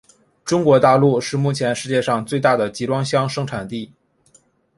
中国大陆是目前世界上最大的集装箱生产地。